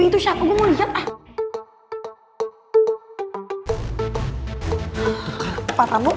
itu siapa dulu